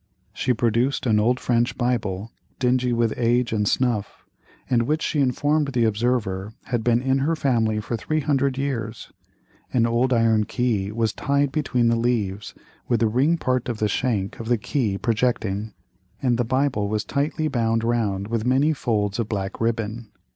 She produced an old French Bible, dingy with age and snuff, and which she informed the observer had been in her family for three hundred years; an old iron key was tied between the leaves, with the ring and part of the shank of the key projecting, and the Bible was tightly bound round with many folds of black ribbon.